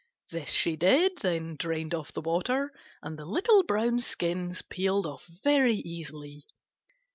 This she did, then drained off the water and the little brown skins peeled off very easily.